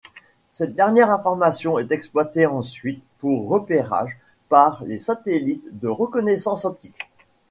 Cette dernière information est exploitée ensuite pour repérage par les satellites de reconnaissance optique.